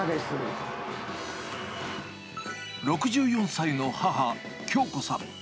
６４歳の母、京子さん。